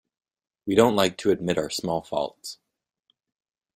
We don't like to admit our small faults.